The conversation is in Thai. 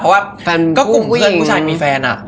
เพราะว่ากลุ่มเพื่อนผู้ชายมีแฟนอ่ะ